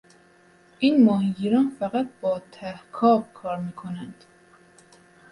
این ماهیگیران فقط با ته کاو کار میکنند.